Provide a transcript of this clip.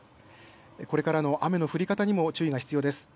これからの雨の降り方にも注意が必要です。